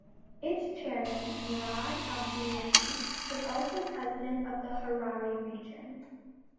Its chairman, Murad Abdullahi, is also president of the Harari Region.